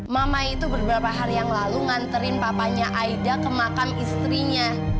mama itu beberapa hari yang lalu nganterin papanya aida ke makam istrinya